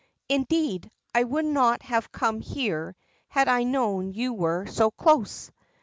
Indeed, I would not have come here had I known you were so close."